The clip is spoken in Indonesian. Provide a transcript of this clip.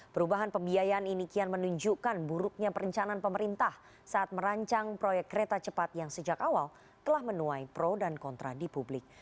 perubahan pembiayaan ini kian menunjukkan buruknya perencanaan pemerintah saat merancang proyek kereta cepat yang sejak awal telah menuai pro dan kontra di publik